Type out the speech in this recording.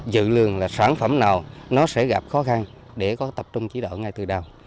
dự lường là sản phẩm nào nó sẽ gặp khó khăn để có tập trung chỉ đạo ngay từ đầu